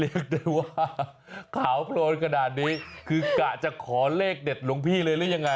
เรียกได้ว่าขาวโพลนขนาดนี้คือกะจะขอเลขเด็ดหลวงพี่เลยหรือยังไง